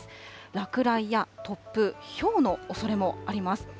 落雷や突風、ひょうのおそれもあります。